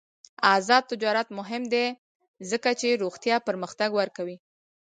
آزاد تجارت مهم دی ځکه چې روغتیا پرمختګ ورکوي.